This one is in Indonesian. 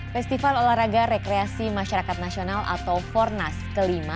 festival olahraga rekreasi masyarakat nasional atau fornas ke lima